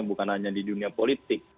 bukan hanya di dunia politik